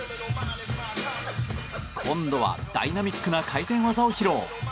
今度はダイナミックな回転技を披露。